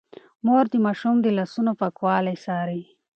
مور د ماشوم د لاسونو پاکوالی څاري.